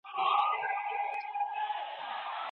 پاکه کتابچه د زده کوونکي سلیقه څرګندوي.